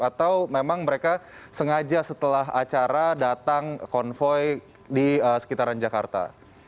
atau memang mereka sengaja setelah acara datang konvoy di sekitaran jakarta